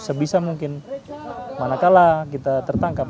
sebisa mungkin manakala kita tertangkap